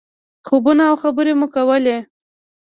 خوبونه او خبرې مو کولې.